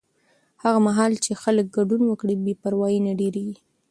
هغه مهال چې خلک ګډون وکړي، بې پروایي نه ډېرېږي.